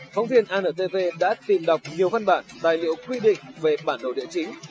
phóng viên antv đã tìm đọc nhiều văn bản tài liệu quy định về bản đồ địa chính